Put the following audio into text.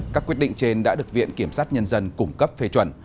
các quyết định trên đã được viện kiểm sát nhân dân cung cấp phê chuẩn